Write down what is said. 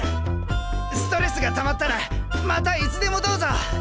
ストレスがたまったらまたいつでもどうぞ！